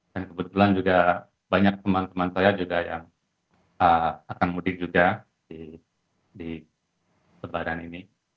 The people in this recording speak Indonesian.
dan kebetulan juga banyak teman teman saya juga yang akan mudik juga di lebaran ini